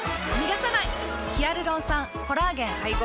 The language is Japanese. ヒアルロン酸・コラーゲン配合。